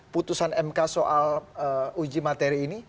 putusan mk soal uji materi ini